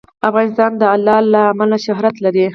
افغانستان د لعل له امله شهرت لري.